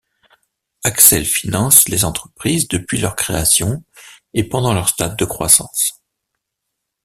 Accel finance les entreprises depuis leur création et pendant leur stade de croissance.